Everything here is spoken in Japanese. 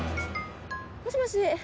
もしもし。